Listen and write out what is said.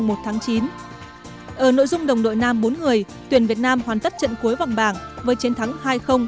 ở nội dung đồng đội nam bốn người tuyển việt nam hoàn tất trận cuối vòng bảng với chiến thắng hai